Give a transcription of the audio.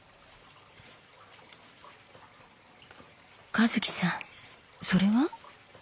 和樹さんそれは？